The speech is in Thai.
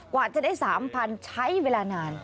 กว่าจะได้๓๐๐๐ใช้เวลานาน